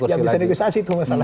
yang bisa negosiasi itu masalahnya